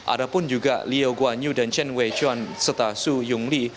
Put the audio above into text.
ada pun juga liao guan yu dan chen wei chuan serta su yong li